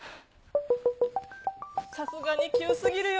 さすがに急すぎるよ。